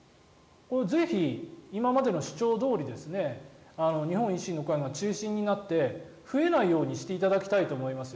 ぜひ、今までの主張どおり日本維新の会が中心になって増えないようにしていただきたいと思います。